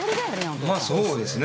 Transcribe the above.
まあそうですね。